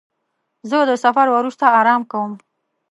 زه د سفر وروسته آرام کوم.